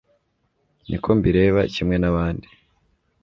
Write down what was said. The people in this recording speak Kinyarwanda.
ni ko mbireba kimwe n'abandi